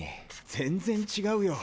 全然違うよ。